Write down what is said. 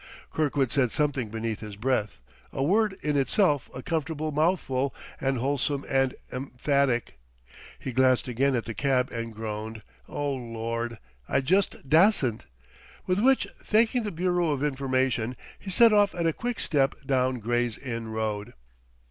Kirkwood said something beneath his breath a word in itself a comfortable mouthful and wholesome and emphatic. He glanced again at the cab and groaned: "O Lord, I just dassent!" With which, thanking the bureau of information, he set off at a quick step down Grey's Inn Road.